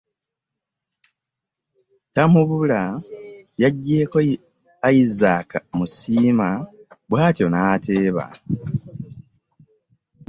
Tamubula yaggyeeko Isaac Musiima bw'atyo n'ateeba